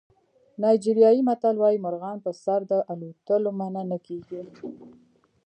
نایجریایي متل وایي مرغان په سر د الوتلو منع نه کېږي.